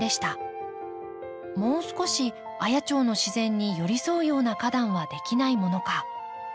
もう少し綾町の自然に寄り添うような花壇はできないものか。